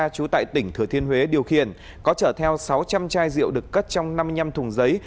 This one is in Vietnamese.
chú tại tỉnh thừa thiên huế điều khiển có chở theo sáu trăm linh chai rượu được cất trong năm mươi năm thùng giấy